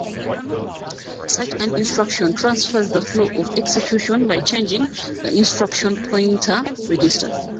Such an instruction transfers the flow of execution by changing the instruction pointer register.